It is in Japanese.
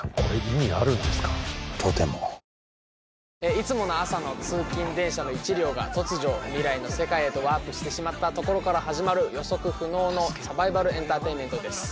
いつもの朝の通勤電車の１両が突如未来の世界へとワープしてしまったところから始まる予測不能のサバイバルエンターテインメントです